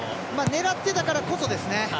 狙ってたからこそですね。